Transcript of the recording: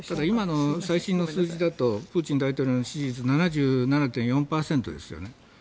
今の最新の数字だとプーチン大統領の支持率７７．４％ですよね。